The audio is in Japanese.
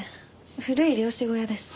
古い漁師小屋です。